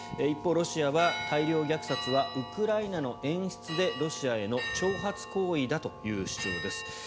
一方、ロシアは大量虐殺はウクライナの演出でロシアへの挑発行為だという主張です。